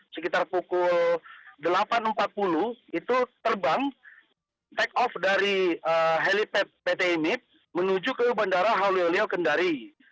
sekitar pukul delapan empat puluh itu terbang take off dari helipad pt imit menuju ke bandara haliolio kendari